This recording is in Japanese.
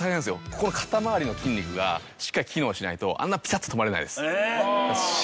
ここの肩まわりの筋肉がしっかり機能しないとあんなピタっと止まれないです。